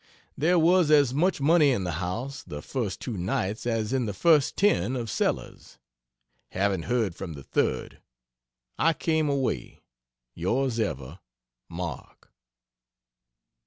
There was as much money in the house the first two nights as in the first ten of Sellers. Haven't heard from the third I came away. Yrs ever, MARK.